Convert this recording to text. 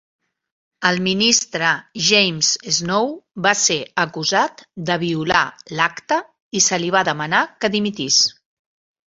El ministre James Snow va ser acusat de violar l'acte i se li va demanar que dimitís.